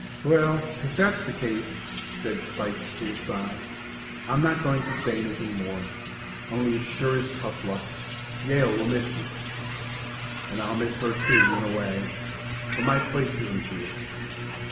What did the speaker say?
"Well, if that's the case," said Spike, with a sigh, "I'm not going to say anything more. Only it sure is tough luck. Yale will miss you." "And I'll miss her, too, in a way. But my place isn't here."